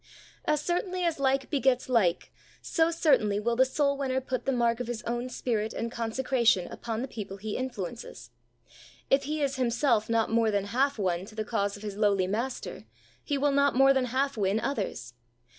As certainly as like begets like, so cer tainly will the soul winner put the mark of his own spirit and consecration upon the people he influences; if he is himself not more than half won to the cause of his lowly Master, he will not more than half win others.